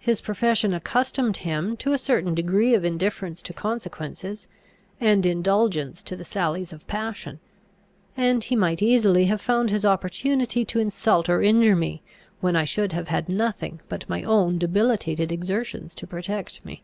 His profession accustomed him to a certain degree of indifference to consequences, and indulgence to the sallies of passion; and he might easily have found his opportunity to insult or injure me, when I should have had nothing but my own debilitated exertions to protect me.